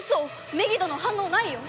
メギドの反応ないよ！